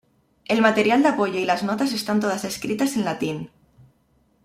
El material de apoyo y las notas están todas escritas en latín.